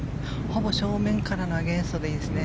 ほぼ正面からのアゲンストでいいですね。